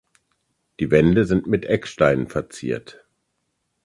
Die Wände sind mit Ecksteinen verziert.